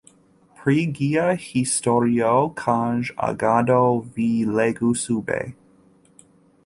Pri ĝia historio kaj agado vi legu sube.